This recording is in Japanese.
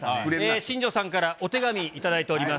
新庄さんからお手紙頂いております。